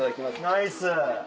ナイス！